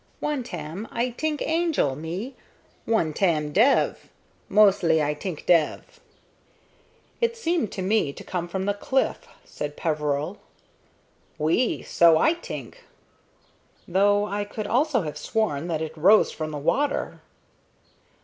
One tam I t'ink angele, me; one tam dev. Mostly I t'ink dev." "It seemed to me to come from the cliff," said Peveril. "Oui; so I t'ink." "Though I could also have sworn that it rose from the water."